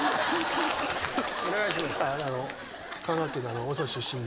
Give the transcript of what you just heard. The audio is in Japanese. お願いします。